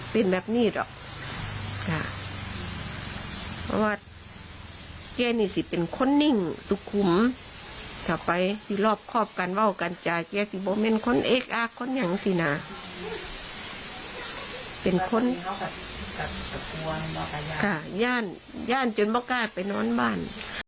เป็นคนค่ะย่านจนกระทั่งไปน้อนบ้าน